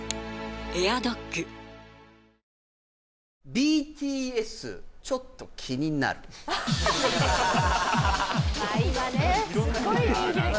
ＢＴＳちょっと気になるまあ